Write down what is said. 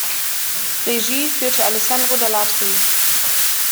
Regie führte Alessandro D’Alatri.